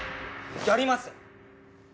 やります！